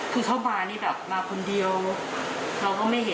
ผู้เท้าบ้านี่แบบมาคนเดียวเราก็ไม่เห็นว่าเข้ามา